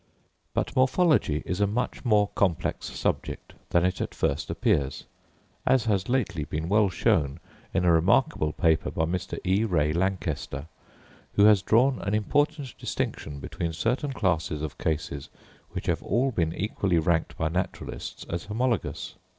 But morphology is a much more complex subject than it at first appears, as has lately been well shown in a remarkable paper by Mr. E. Ray Lankester, who has drawn an important distinction between certain classes of cases which have all been equally ranked by naturalists as homologous.